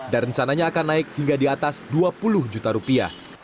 dan rencananya akan naik hingga di atas dua puluh juta rupiah